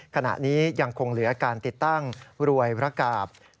ขณะนี้ยังคงเหลือการติดตั้งรวยพระกาบ